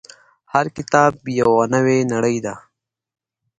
• هر کتاب یو نوی نړۍ ده.